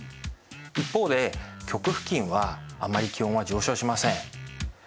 一方で極付近はあまり気温は上昇しません。